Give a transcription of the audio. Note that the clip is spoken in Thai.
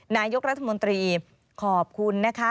นายกรัฐมนตรีขอบคุณนะคะ